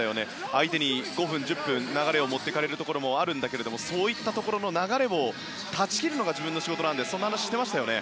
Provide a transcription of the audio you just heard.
相手に５分、１０分流れを持っていかれるところもあるがそういったところの流れを断ち切るのが自分の仕事だとそんな話をしていましたね。